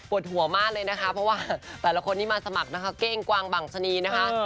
หัวมากเลยนะคะเพราะว่าแต่ละคนนี้มาสมัครนะคะเก้งกวางบังสนีนะคะ